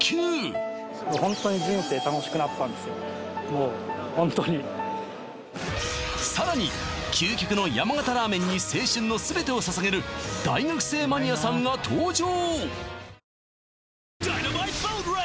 このあともう本当にさらに究極の山形ラーメンに青春の全てを捧げる大学生マニアさんが登場！